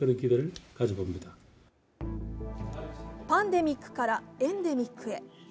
パンデミックからエンデミックへ。